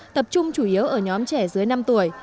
tập trung chủ yếu ở nhóm trẻ dưới năm tuổi